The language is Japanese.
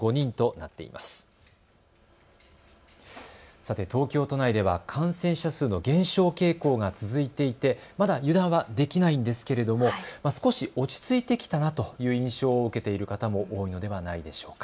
さて東京都内では感染者数の減少傾向が続いていてまだ油断はできないんですけれども少し落ち着いてきたなという印象を受けている方も多いのではないでしょうか。